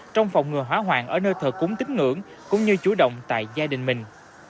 trong phòng ngừa hóa hoàng ở nơi thợ cúng tính ngưỡng cũng như chủ động tại gia đình mình